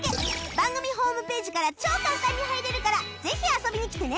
番組ホームページから超簡単に入れるからぜひ遊びに来てね